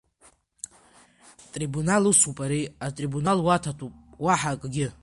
Трибунал усуп ари, атрибунал уаҭатәуп, уаҳа акгьы.